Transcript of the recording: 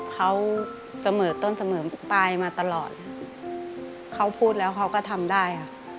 เขาเสมอต้นเสมอปลายมาตลอดเขาพูดแล้วเขาก็ทำได้ค่ะ